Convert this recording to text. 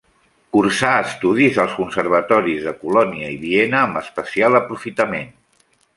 Cursà estudis als conservatoris de Colònia i Viena, amb especial aprofitament.